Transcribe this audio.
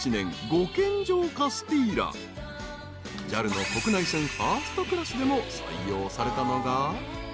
［ＪＡＬの国内線ファーストクラスでも採用されたのが］